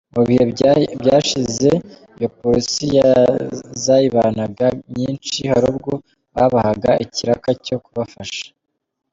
Mu bihe byashize iyo polisi zayibanaga nyinshi hari ubwo babahaga ikiraka cyo kubafasha.